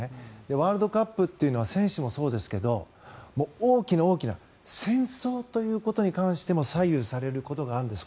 ワールドカップというのは選手もそうですけど大きな大きな戦争ということに関しても左右されることがあるんです。